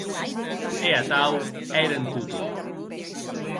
E atau heren toti.